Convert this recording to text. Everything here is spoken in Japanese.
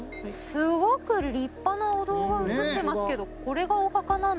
すごく立派なお堂が映ってますけど。